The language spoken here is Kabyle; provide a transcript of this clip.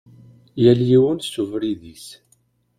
Yal yiwen s ubrid-is.